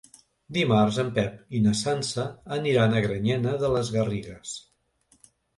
Dimarts en Pep i na Sança aniran a Granyena de les Garrigues.